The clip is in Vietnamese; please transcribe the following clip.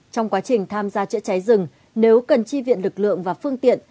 trong quá trình tham gia chữa cháy rừng nếu cần chi viện lực lượng và phương tiện